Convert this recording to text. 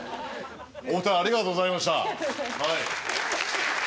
お二人ありがとうございました。